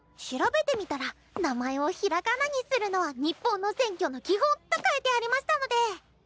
調べてみたら名前を平仮名にするのは日本の選挙の基本と書いてありましたので！